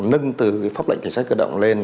nâng từ pháp lệnh cảnh sát cơ động lên